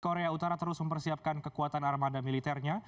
korea utara terus mempersiapkan kekuatan armada militernya